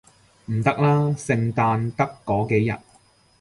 唔得啦，聖誕得嗰幾日